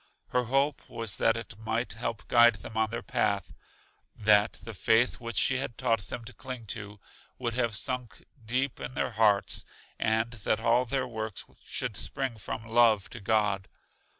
Her hope was that it might help guide them on their path; that the Faith which she had taught them to cling to, would have sunk deep in their hearts; and that all their works should spring from love to God.